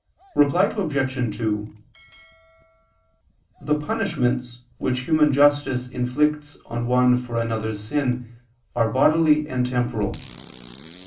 Reply Obj. 2: The punishments which human justice inflicts on one for another's sin are bodily and temporal.